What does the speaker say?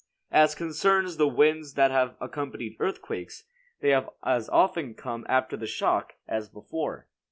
As concerns the winds that have accompanied earthquakes, they have as often come after the shock as before.